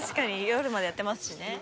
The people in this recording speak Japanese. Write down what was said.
夜までやってますしね。